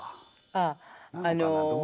あっあの